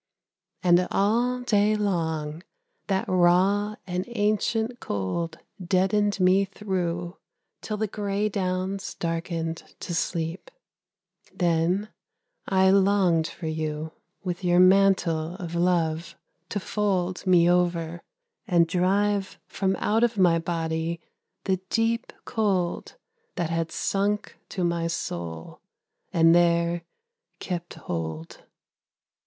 And all day long that raw and ancient cold Deadened me through, till the grey downs darkened to sleep. Then I longed for you with your mantle of love to fold Me over, and drive from out of my body the deep Cold that had sunk to my soul, and there kept hold.